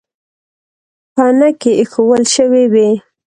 پنکې ایښوول شوې وې.